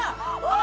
お！